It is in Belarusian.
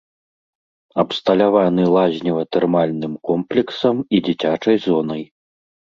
Абсталяваны лазнева-тэрмальным комплексам і дзіцячай зонай.